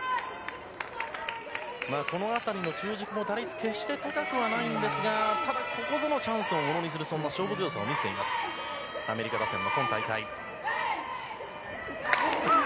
この辺りの中軸も打率は決して高くないんですがただ、ここぞのチャンスをものにする勝負強さを見せていますアメリカ打線、今大会。